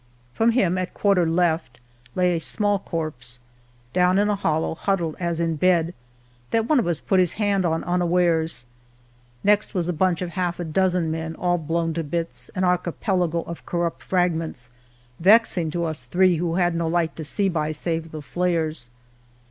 From him, at quarter left, lay a small corpse, Down in a hollow, huddled as in bed. That one of u^ put his hand on unawares. Next was a bunch of half a dozen men All blozvn to bits, an archipelago Of corrupt fragments, vexing to us three, 82 IVho had no light to see by^ save the flares.